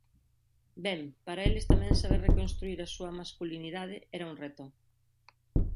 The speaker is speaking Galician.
Ben, para eles tamén saber reconstruír a súa masculinidade era un reto.